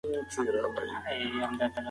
فارابي د رولونو يادونه کوي.